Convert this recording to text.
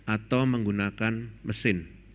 atau menggunakan mesin